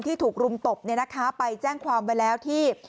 ถูกรุมตบไปแจ้งความไว้แล้วที่